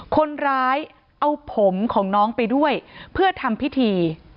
คนร้ายเอาผมของน้องไปด้วยเพื่อทำพิธี